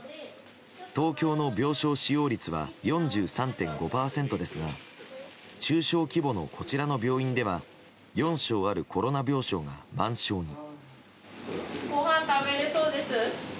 東京の病床使用率は４３．５％ですが中小規模のこちらの病院では４床あるコロナ病床が満床に。